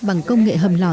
bằng công nghệ hầm lò